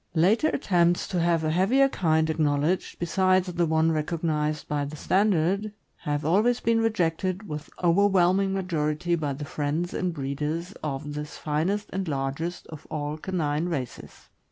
Later attempts to have a heavier kind acknowledged, besides the one recognized by the standard, have always been rejected with overwhelming majority by the friends and breeders of this finest and largest of all canine races.